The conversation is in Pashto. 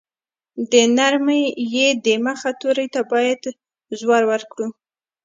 د نرمې ی د مخه توري ته باید زور ورکړو.